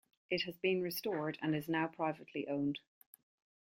It has been restored and is now privately owned.